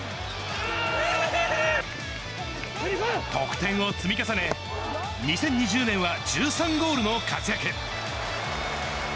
得点を積み重ね、２０２０年は１３ゴールの活躍。